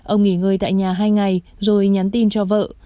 ông nghỉ ngơi tại nhà hai ngày rồi nhắn tin cho vợ